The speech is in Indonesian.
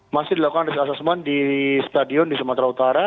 masih dilakukan risk assessment di stadion di sumatera utara